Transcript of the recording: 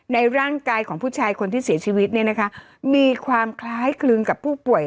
ในร่างกายของผู้ชายคนที่เสียชีวิตเนี่ยนะคะมีความคล้ายคลึงกับผู้ป่วย